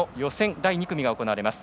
第２組が行われます。